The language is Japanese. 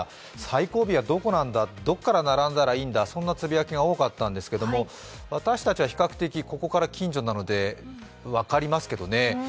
最後尾はどこなんだ、どこから並んだらいいんだ、そんなつぶやきが多かったんですが私たちは比較的、ここから近所なので分かりますけどね。